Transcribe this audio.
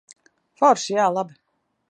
Forši. Jā, labi.